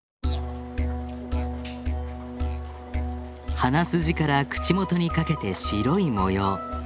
鼻筋から口元にかけて白い模様。